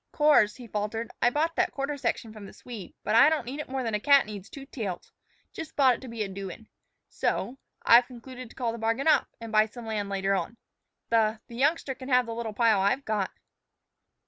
"Course," he faltered, "I bought that quarter section from the Swede. But I don't need it more 'n a cat needs two tails. Jus' bought it to be a doin'. So I've concluded to call the bargain off, and buy some land later on. The the youngster can have the little pile I've got."